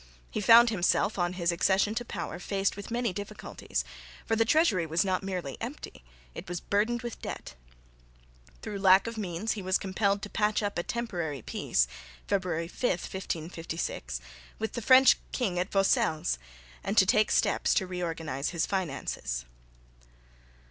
He found himself on his accession to power faced with many difficulties, for the treasury was not merely empty, it was burdened with debt. Through lack of means he was compelled to patch up a temporary peace (February 5, 1556) with the French king at Vaucelles, and to take steps to reorganise his finances.